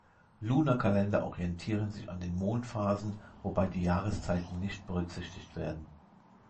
Lunarkalender orientieren sich an den Mondphasen, wobei die Jahreszeiten nicht berücksichtigt werden.